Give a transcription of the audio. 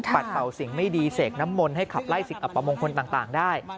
เป่าสิ่งไม่ดีเสกน้ำมนต์ให้ขับไล่สิ่งอัปมงคลต่างได้